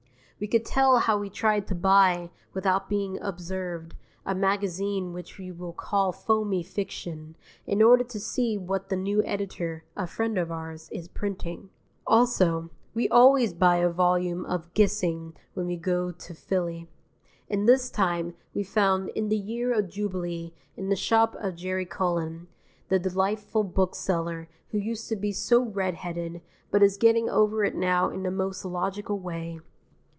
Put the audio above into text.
We could tell how we tried to buy, without being observed, a magazine which we will call Foamy Fiction, in order to see what the new editor (a friend of ours) is printing. Also, we always buy a volume of Gissing when we go to Philly, and this time we found "In the Year of Jubilee" in the shop of Jerry Cullen, the delightful bookseller who used to be so redheaded, but is getting over it now in the most logical way.